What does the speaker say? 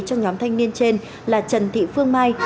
cho nhóm thanh niên trên là trần thị phương mai